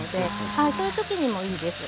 そのときにも、いいです。